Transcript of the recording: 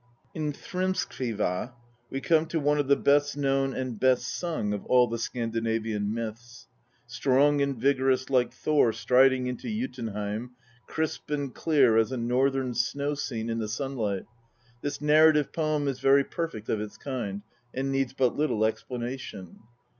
In Thrymskvij>a we come to one of the best known and best sung of all the Scandinavian myths. Strong and vigorous like Thor striding into Jotunheim, crisp and clear as a northern snow scene in the sunlight, this narrative poem is very perfect of its kind, and needs but little explanation.